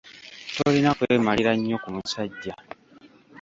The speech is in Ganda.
Tolina kwemalira nnyo ku musajja.